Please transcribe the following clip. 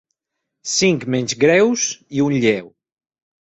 Cinc menys greus i un lleu.